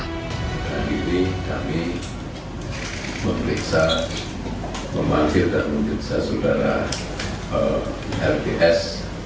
hari ini kami memeriksa memanjir dan menjelaskan saudara rps